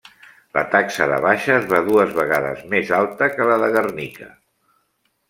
La taxa de baixes va dues vegades més alta que la de Guernica.